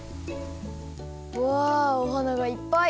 うわお花がいっぱい！